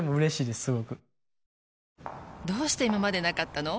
すごくどうして今までなかったの？